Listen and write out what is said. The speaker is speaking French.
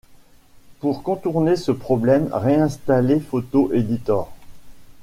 Pour contourner ce problème, réinstallez Photo Editor.